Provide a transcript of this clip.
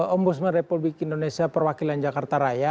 om budsman republik indonesia perwakilan jakarta raya